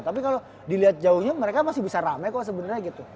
tapi kalau dilihat jauhnya mereka masih bisa rame kok sebenarnya gitu